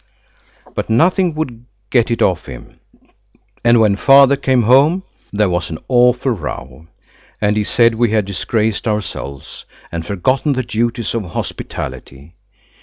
But nothing would get it off him; and when Father came home there was an awful row. And he said we had disgraced ourselves and forgotten the duties of hospitality.